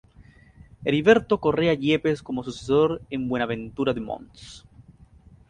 Heriberto Correa Yepes como sucesor en Buenaventura de mons.